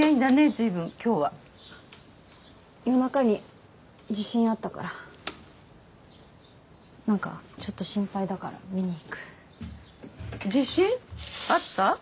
随分今日は夜中に地震あったからなんかちょっと心配だから見にいく地震？あった？